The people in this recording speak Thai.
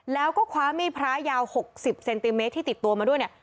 แล้วก็คว้ามีดพระยาว๖๐เซนติเมตรที่ติดตัวมาด้วยเนี่ย